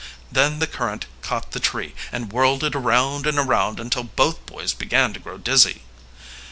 Then the current caught the tree and whirled it around and around until both boys began to grow dizzy.